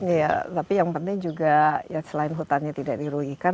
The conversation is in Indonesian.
iya tapi yang penting juga ya selain hutannya tidak dirugikan